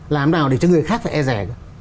làm nào để cho người khác phải e rẻ